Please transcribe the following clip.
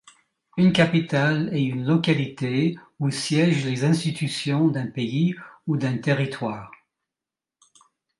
Une capitale est une localité où siègent les institutions d'un pays ou d'un territoire.